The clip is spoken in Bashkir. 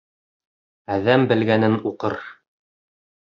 Әҙәм белгәнен уҡыр